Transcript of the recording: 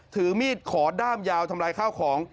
ถือมีดขอด้ามยาวทำลายข้าวของ